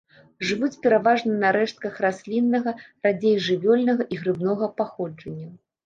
Жывуць пераважна на рэштках расліннага, радзей жывёльнага і грыбнога паходжання.